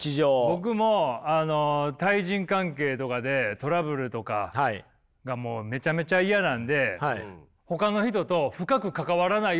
僕もあの対人関係とかでトラブルとかがもうめちゃめちゃ嫌なんでほかの人と深く関わらないようにしてしまっています。